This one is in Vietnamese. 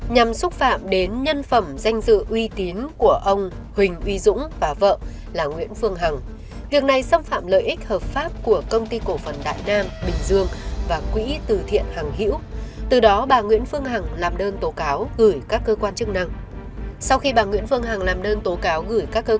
nhằm xúc phạm đến nhân phẩm danh dự quy tín của ông huỳnh uy dũng và vợ là bà nguyễn phương hằng